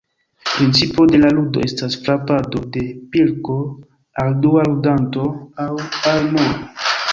Principo de la ludo estas frapado de pilko al dua ludanto aŭ al muro.